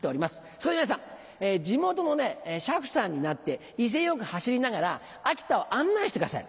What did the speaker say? そこで皆さん地元の車夫さんになって威勢良く走りながら秋田を案内してください。